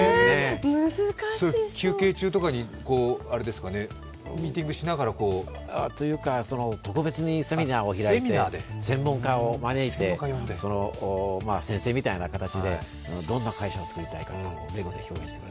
休憩中とかにミーティングしながら、こう。というか特別にセミナーを開いて専門家を招いて先生みたいな形で、どんな会社を作りたいかをレゴで表現する。